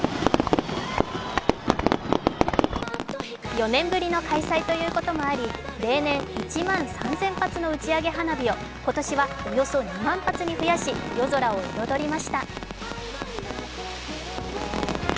４年ぶりの開催ということもあり、例年、１万３０００発の打ち上げ花火を今年はおよそ２万発に増やし、夜空を彩りました。